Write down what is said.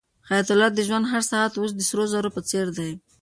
حیات الله ته د ژوند هر ساعت اوس د سرو زرو په څېر دی.